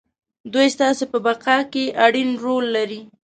دوی ستاسې په بقا کې اړين رول لري.